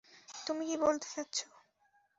তুমি কি বলতে চাচ্ছ?